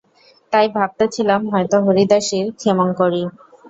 তাই ভাবিতেছিলাম, হয়তো হরিদাসীর— ক্ষেমংকরী।